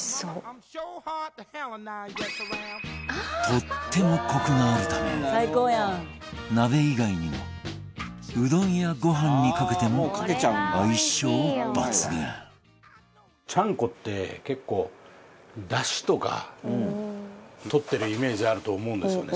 とってもコクがあるため鍋以外にも、うどんやご飯にかけても相性抜群豊ノ島：ちゃんこって結構、だしとかとってるイメージあると思うんですよね